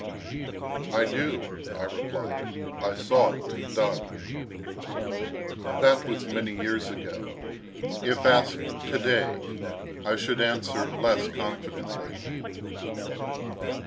"I do," I replied; "I saw it done." That was many years ago. If asked to day I should answer less confidently.